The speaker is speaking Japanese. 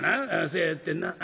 そやってんな。